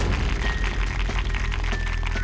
โปรดติดตามตอนต่อไป